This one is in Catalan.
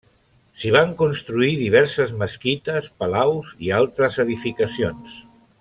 S'hi van construir diverses mesquites, palaus i altres edificacions.